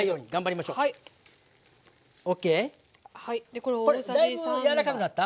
これだいぶ柔らかくなった？